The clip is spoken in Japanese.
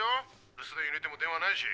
留守電入れても電話ないし。